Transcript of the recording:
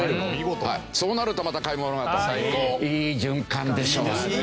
そうなるとまた買い物がといい循環でしょう。